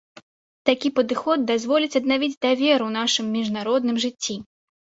Такі падыход дазволіць аднавіць давер у нашым міжнародным жыцці.